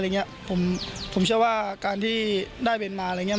อย่างเงี้ยผมผมเชื่อว่าการที่ได้เบนมาอะไรอย่างเงี้ย